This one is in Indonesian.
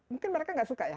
mungkin mereka tidak suka ya